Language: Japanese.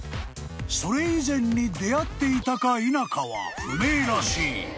［それ以前に出会っていたか否かは不明らしい］